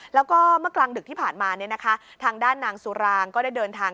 แล้วก็เมื่อกลางดึกที่ผ่านมาเนี่ยนะคะทางด้านนางสุรางก็ได้เดินทาง